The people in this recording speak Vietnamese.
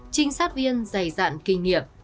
giải dạng kinh nghiệm